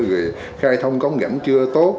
rồi khai thông cống gãy chưa tốt